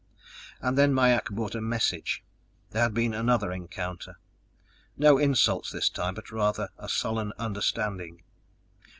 And then Mai ak brought a message ... there had been another encounter, no insults this time but rather a sullen understanding.